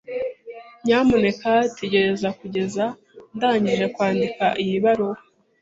Nyamuneka tegereza kugeza ndangije kwandika iyi baruwa.